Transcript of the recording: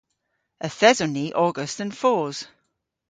Yth eson ni ogas dhe'n fos.